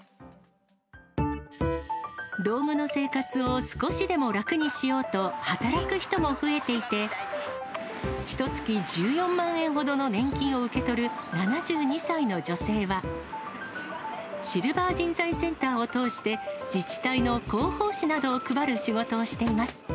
老後の生活を少しでも楽にしようと、働く人も増えていて、ひとつき１４万円ほどの年金を受け取る７２歳の女性は、シルバー人材センターを通して、自治体の広報紙などを配る仕事をしています。